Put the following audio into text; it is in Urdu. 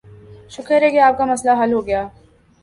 شکر ہے کہ آپ کا مسئلہ حل ہوگیا۔